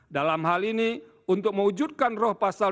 dalam hal ini untuk mewujudkan roh pasal dua puluh empat r satu